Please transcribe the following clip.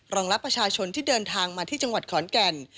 รับประชาชนที่เดินทางมาที่จังหวัดขอนแก่น